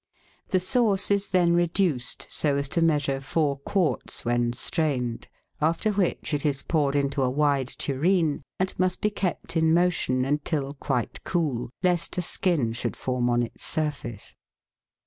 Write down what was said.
The sauce is then reduced so as to measure four quarts when strained, after which it is poured into a wide tureen, and must be kept in motion until quite cool lest a skin should form on its surface.